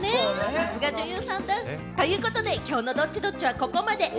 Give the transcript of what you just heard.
さすが女優さんだ！ということで今日のＤｏｔｔｉ‐Ｄｏｔｔｉはここまで！